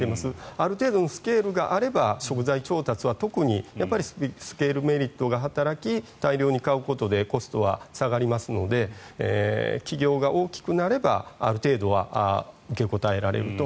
ある程度のスケールがあれば食材調達は特にスケールメリットが働き大量に買うことでコストは下がりますので企業が大きくなればある程度は受けこたえられると。